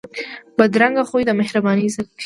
بدرنګه خوی د مهربانۍ ضد دی